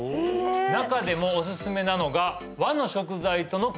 中でもおすすめなのが先生